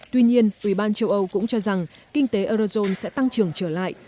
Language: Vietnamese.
tuy nhiên ủy ban châu âu cũng cho rằng kinh tế eurozone sẽ tăng trưởng trở lại